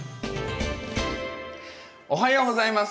おはようございます。